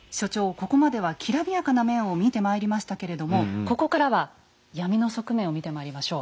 ここまではきらびやかな面を見てまいりましたけれどもここからは闇の側面を見てまいりましょう。